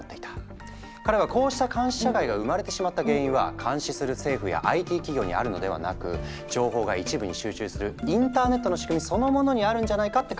彼はこうした監視社会が生まれてしまった原因は監視する政府やＩＴ企業にあるのではなく情報が一部に集中するインターネットの仕組みそのものにあるんじゃないかって考えたんだ。